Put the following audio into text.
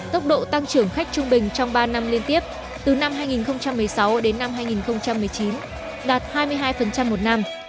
tốc độ tăng trưởng khách trung bình trong ba năm liên tiếp từ năm hai nghìn một mươi sáu đến năm hai nghìn một mươi chín đạt hai mươi hai một năm